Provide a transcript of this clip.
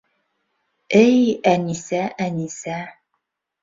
Эй Әнисә, Әнисә